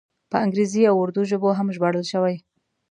په انګریزي او اردو ژبو هم ژباړل شوی.